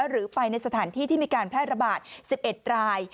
หรือไปในสถานที่ที่มีการแพร่ระบาด๑๑ราย